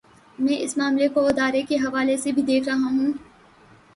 میں اس معاملے کو ادارے کے حوالے سے بھی دیکھ رہا ہوں۔